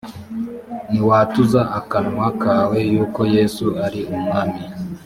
niwatuza akanwa kawe yuko yesu ari umwami